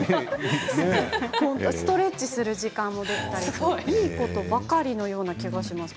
ストレッチをする時間を作ったり、いいことばかりの気がします。